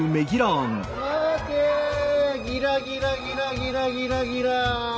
ギラギラギラギラギラギラ。